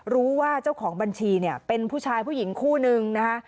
รู้ว่าเจ้าของบัญชีเนี่ยเป็นผู้ชายผู้หญิงคู่นึงนะคะ